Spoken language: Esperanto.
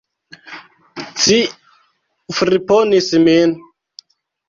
Ci friponis min!